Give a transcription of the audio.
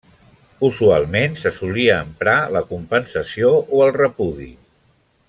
Usualment se solia emprar la compensació o el repudi.